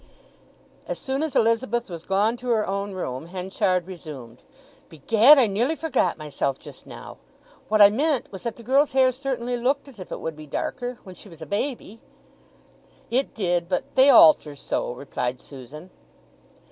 As soon as Elizabeth was gone to her own room Henchard resumed. "Begad, I nearly forgot myself just now! What I meant was that the girl's hair certainly looked as if it would be darker, when she was a baby." "It did; but they alter so," replied Susan.